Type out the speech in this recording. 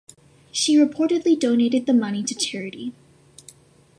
She reportedly donated the money to charity.